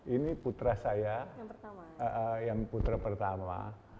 ini putra saya yang putra pertama